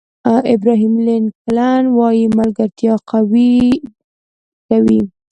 ابراهیم لینکلن وایي ملګرتیا قوي کوي.